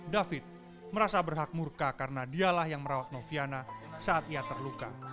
david merasa berhak murka karena dialah yang merawat noviana saat ia terluka